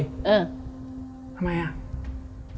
ทำไมอะ